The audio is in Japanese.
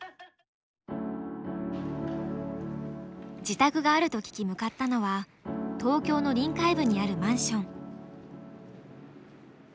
自宅があると聞き向かったのは東京の臨海部にあるマンション。